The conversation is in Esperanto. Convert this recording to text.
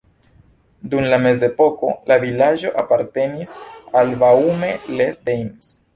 Dum la mezepoko la vilaĝo apartenis al Baume-les-Dames.